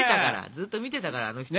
ずっと見てたからあの人は。